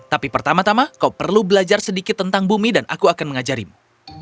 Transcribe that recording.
tapi pertama tama kau perlu belajar sedikit tentang bumi dan aku akan mengajarimu